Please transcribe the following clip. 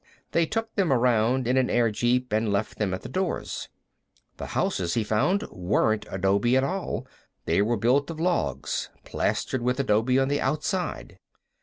They took them around in an airjeep and left them at the doors. The houses, he found, weren't adobe at all. They were built of logs, plastered with adobe on the outside.